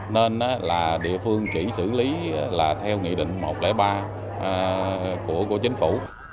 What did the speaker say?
nên là địa phương chỉ xử lý là theo nghị định một trăm linh ba của chính phủ